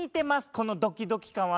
このドキドキ感は。